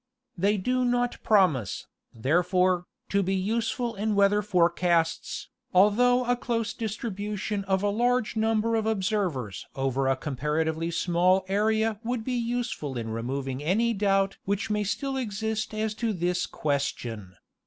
They do not promise, therefore, to be useful in weather forecasts, although a close distribution of a large number of observers over a comparatively small area would be useful in removing any doubt which may still exist as to this question."